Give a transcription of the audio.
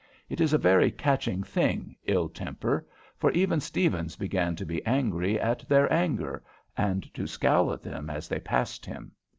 It is a very catching thing, ill temper, for even Stephens began to be angry at their anger, and to scowl at them as they passed him.